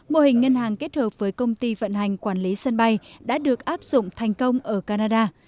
mô hình ngân hàng kết hợp với công ty vận hành quản lý sân bay đã được áp dụng thành công ở canada